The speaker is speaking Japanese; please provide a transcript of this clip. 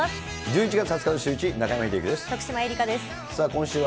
１１月２０日のシューイチ、中山秀征です。